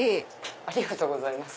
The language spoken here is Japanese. ありがとうございます。